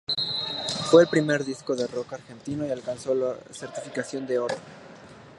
Fue el primer disco de rock argentino que alcanzó la certificación de oro.